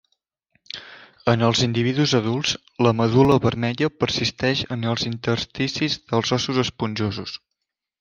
En els individus adults, la medul·la vermella persisteix en els intersticis dels ossos esponjosos.